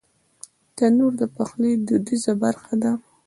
تنور د پخلي دودیزه برخه ده